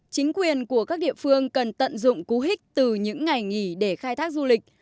chính quyền của các địa phương cần tận dụng cú hích từ những ngày nghỉ để khai thác du lịch